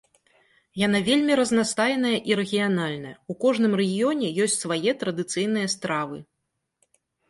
Яна вельмі разнастайная і рэгіянальная, у кожным рэгіёне ёсць свае традыцыйныя стравы.